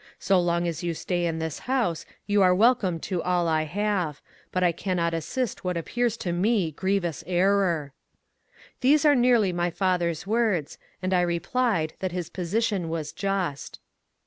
So long as you stay in this house you are welcome to all I have, but I cannot assist what appears to me griev ous error." These are nearly my father's words, and I replied that his position was just.